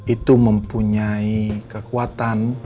itu mempunyai kekuatan